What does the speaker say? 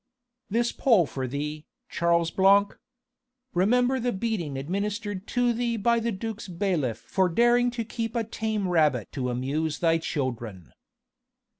"This pole for thee, Charles Blanc! Remember the beating administered to thee by the duc's bailiff for daring to keep a tame rabbit to amuse thy children!